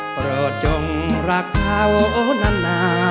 โปรดจงรักเขานาน